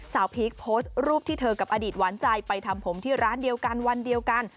พีคโพสต์รูปที่เธอกับอดีตหวานใจไปทำผมที่ร้านเดียวกันวันเดียวกัน